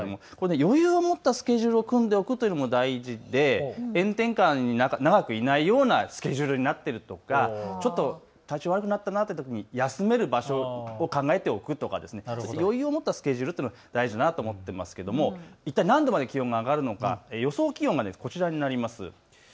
余裕を持ったスケジュールを組んでおくというのも大事で炎天下に長くいないようなスケジュールになっているとか、ちょっと体調悪くなったなというとき休める場所を考えておくとかそういう余裕を持ったスケジュール大事だと思っていますけれど、一体何度まで気温が上がるのか予想気温がこちらになります。